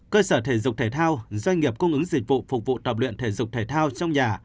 cơ sở thể dục thể thao doanh nghiệp cung ứng dịch vụ phục vụ tập luyện thể dục thể thao trong nhà